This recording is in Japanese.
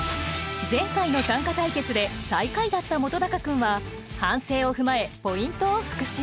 前回の短歌対決で最下位だった本君は反省を踏まえポイントを復習。